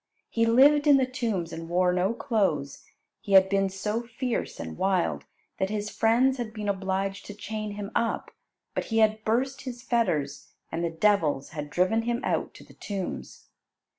He lived in the tombs and wore no clothes. He had been so fierce and wild that his friends had been obliged to chain him up, but he had burst his fetters, and the devils had driven him out to the tombs.